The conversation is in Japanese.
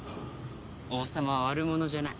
王様は悪者じゃない。